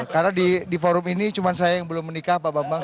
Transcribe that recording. karena di forum ini cuma saya yang belum menikah pak bambang